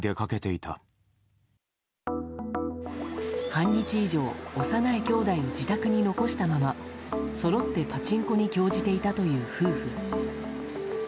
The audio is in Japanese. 半日以上幼い兄弟を自宅に残したままそろって、パチンコに興じていたという夫婦。